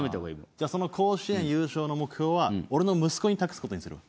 じゃあその甲子園優勝の目標は俺の息子に託す事にするわ。